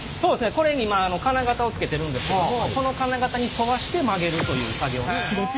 これに今金型をつけてるんですけどもこの金型に沿わして曲げるという作業になります。